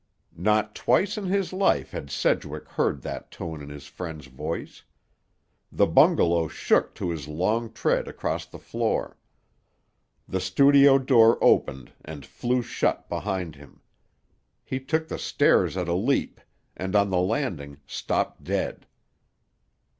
Not twice in his life had Sedgwick heard that tone in his friend's voice. The bungalow shook to his long tread across the floor. The studio door opened and flew shut behind him. He took the stairs at a leap, and on the landing stopped dead.